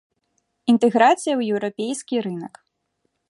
Інтэграцыя ў еўрапейскі рынак.